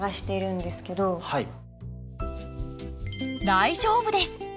大丈夫です。